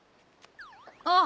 あっ。